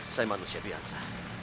saya manusia biasa